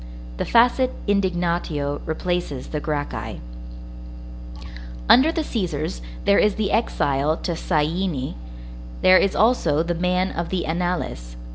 The facit indignatio replaces the Gracchi. Under the Cæsars, there is the exile to Syene; there is also the man of the Annales.